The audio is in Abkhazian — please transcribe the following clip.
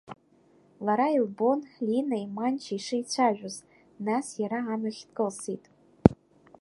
Лара илбон Линеи Манчеи шеицәажәоз, нас иара амҩахь дкылсит.